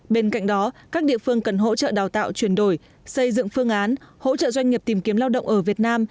bên cạnh đó các địa phương cần hỗ trợ đào tạo chuyển đổi xây dựng phương án hỗ trợ doanh nghiệp tìm kiếm lao động ở việt nam